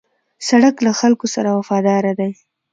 سړک له خلکو سره وفاداره دی.